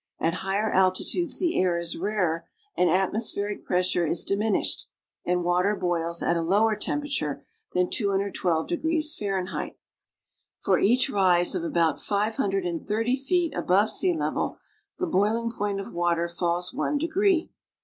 at higher altitudes the air is rarer and atmospheric pressure is diminished and water boils at a lower temperature than 212° F. For each rise of about five hun dred and thirty feet above sea level the boiling point of water falls one degree.